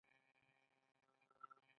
موږ د ویرې دفاع کوو.